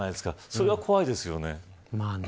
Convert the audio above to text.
それが怖いですよね。